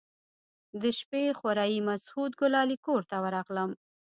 د شپې خوريي مسعود ګلالي کور ته ورغلم.